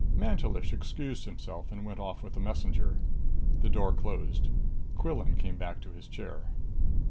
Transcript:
Mantelish excused himself and went off with the messenger. The door closed. Quillan came back to his chair.